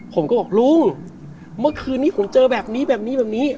ผมก็บอกลุงเมื่อคืนนี้ผมเจอแบบนี้แบบนี้แบบนี้